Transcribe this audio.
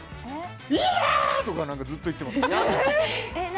イヤー！とかずっと言ってます。